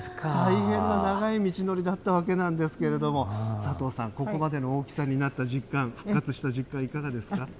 大変な長い道のりだったわけなんですけれども、佐藤さん、ここまでの大きさになった実感、復活した実感、いかがですか？